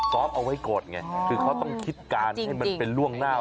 เอาไว้กดไงคือเขาต้องคิดการให้มันเป็นล่วงหน้า